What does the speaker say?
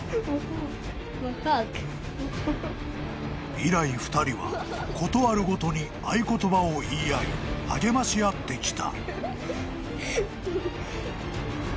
［以来２人は事あるごとに合言葉を言い合い励まし合ってきた］